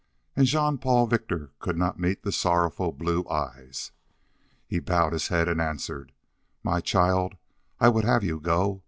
And Jean Paul Victor could not meet the sorrowful blue eyes. He bowed his head and answered: "My child, I would have you go.